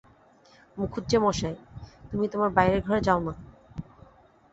মুখুজ্যেমশায়, তুমি তোমার বাইরের ঘরে যাও-না।